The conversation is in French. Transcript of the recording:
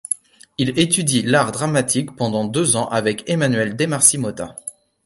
Il étudie l'art dramatique pendant deux ans avec Emmanuel Demarcy-Mota.